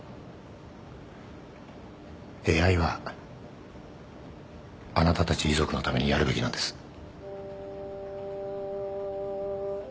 Ａｉはあなたたち遺族のためにやるべきなんです。